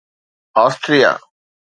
Austria